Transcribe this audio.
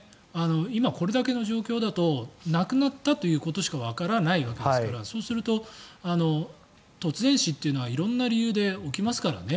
今、これだけの状況だと亡くなったということしかわからないわけですからそうすると突然死というのは色んな理由で起きますからね。